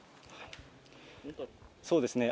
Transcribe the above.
そうですね。